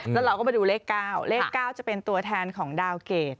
แล้วเราก็มาดูเลข๙เลข๙จะเป็นตัวแทนของดาวเกรด